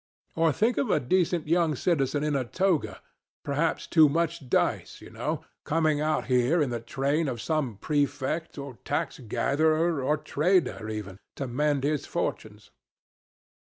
Or think of a decent young citizen in a toga perhaps too much dice, you know coming out here in the train of some prefect, or tax gatherer, or trader even, to mend his fortunes.